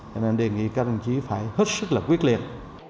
cho nên đề nghị các đồng chí phải hết sức là quyết liệt